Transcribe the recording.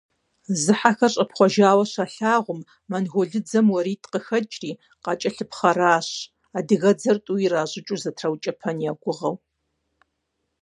Зыхьэхэр щӏэпхъуэжауэ щалъагъум, монголыдзэм уэритӏ къыхэкӏри, къакӏэлъыпхъэращ, адыгэдзэр тӏу иращӏыкӏыу зэтраукӏэпэн я гугъэу.